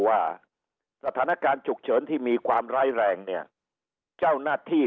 ว่าสถานการณ์ฉุกเฉินที่มีความร้ายแรงเนี่ยเจ้าหน้าที่